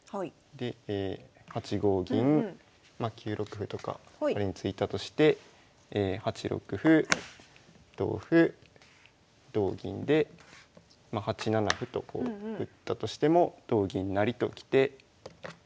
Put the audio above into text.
で８五銀ま９六歩とか仮に突いたとして８六歩同歩同銀でまあ８七歩とこう打ったとしても同銀成ときて。